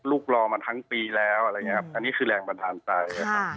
รอมาทั้งปีแล้วอะไรอย่างนี้ครับอันนี้คือแรงบันดาลใจ